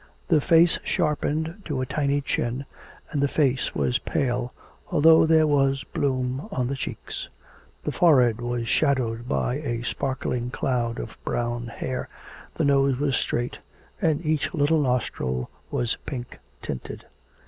The face sharpened to a tiny chin, and the face was pale, although there was bloom on the cheeks. The forehead was shadowed by a sparkling cloud of brown hair, the nose was straight, and each little nostril was pink tinted.